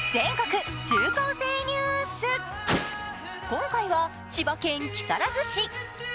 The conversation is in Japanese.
今回は千葉県木更津市。